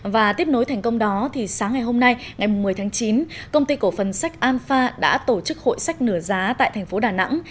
và tiếp nối thành công đó thì sáng ngày hôm nay ngày một mươi tháng chín công ty cổ phần sách alfa đã tổ chức hội sách nửa giá tại thành phố đà nẵng